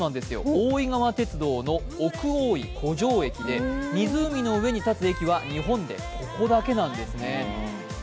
大井川鐵道の奥大井湖上駅で湖の上に建つ駅は、日本でここだけなんですね。